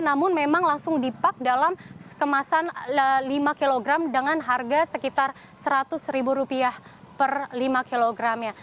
namun memang langsung dipak dalam kemasan lima kg dengan harga sekitar rp seratus per lima kilogramnya